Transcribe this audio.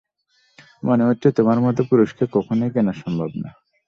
মনে হচ্ছে, তোমার মতো পুরুষকে কখনোই কেনা সম্ভব না।